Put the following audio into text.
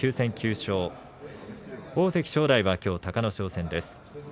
御嶽海ただ１人、９戦９勝大関正代はきょう隆の勝戦です。